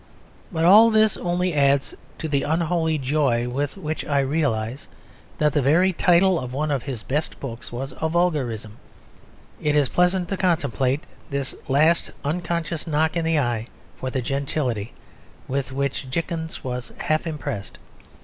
But all this only adds to the unholy joy with which I realise that the very title of one of his best books was a vulgarism. It is pleasant to contemplate this last unconscious knock in the eye for the gentility with which Dickens was half impressed.